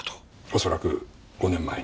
恐らく５年前に。